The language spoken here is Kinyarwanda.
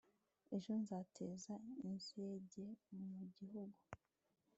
ejo nzateza inzige mu gihugu